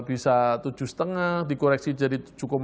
ini bisa tujuh lima dikoreksi jadi tujuh satu